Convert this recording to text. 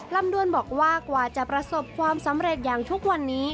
ด้วนบอกว่ากว่าจะประสบความสำเร็จอย่างทุกวันนี้